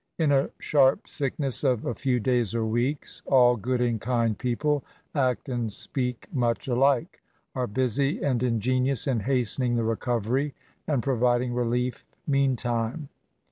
In a sharp sickness of a few days or weeks, all good and kind people act and speak much alike ; are busy and ingenious in hastening the recovery, and providing relief mean time.